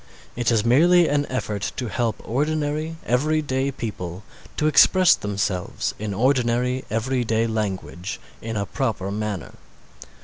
It is merely an effort to help ordinary, everyday people to express themselves in ordinary, everyday language, in a proper manner.